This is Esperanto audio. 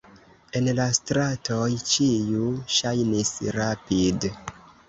En la stratoj ĉiu ŝajnis rapid.